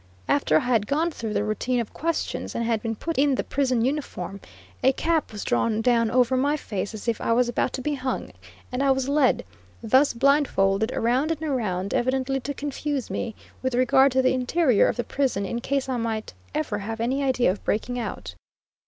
After I had gone through the routine of questions, and had been put in the prison uniform, a cap was drawn down over my face, as if I was about to be hung, and I was led, thus blind folded, around and around, evidently to confuse me, with regard to the interior of the prison in case I might ever have any idea of breaking out.